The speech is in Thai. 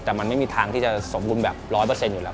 แต่มันไม่มีทางที่จะสมบูรณ์แบบ๑๐๐อยู่แล้ว